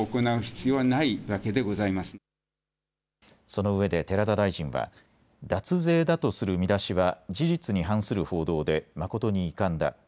そのうえで寺田大臣は脱税だとする見出しは事実に反する報道で誠に遺憾だ。